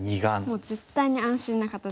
もう絶対に安心な形ですね。